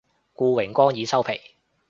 願榮光已收皮